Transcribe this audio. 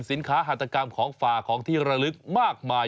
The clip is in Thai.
หาหัตกรรมของฝากของที่ระลึกมากมาย